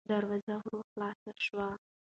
دروازه ورو خلاصه شوه.